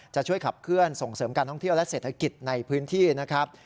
จะช่วยขับเคลื่อนส่งเสริมการท่องเที่ยวและเศรษฐกิจในพื้นที่นะครับ